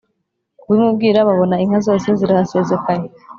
kubimubwira babona inka zose zirahasesekaye.